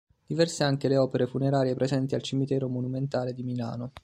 Diverse anche le opere funerarie presenti al Cimitero monumentale di Milano.